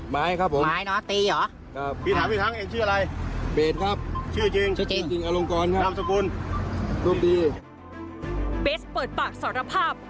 เบสเปิดปากสารภาพ